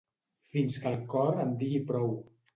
Fins que el cor em digui prou!